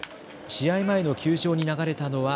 試合前の球場に流れたのは。